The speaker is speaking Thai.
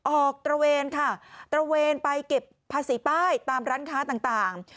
ตระเวนค่ะตระเวนไปเก็บภาษีป้ายตามร้านค้าต่าง